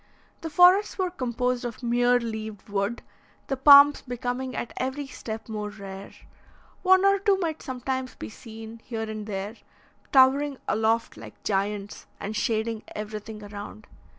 The forests were composed of mere leaved wood, the palms becoming at every step more rare; one or two might sometimes be seen, here and there, towering aloft like giants, and shading everything around.